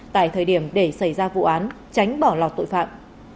tại thời điểm để xảy ra vụ án tránh bỏ lọt tội phạm